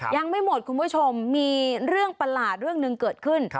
ยังไม่หมดคุณผู้ชมมีเรื่องประหลาดเรื่องหนึ่งเกิดขึ้น